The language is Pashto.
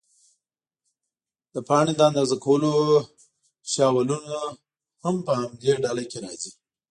د پاڼې د اندازه کولو شابلونونه هم په همدې ډله کې راځي.